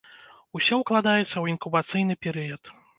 Усё укладаецца ў інкубацыйны перыяд.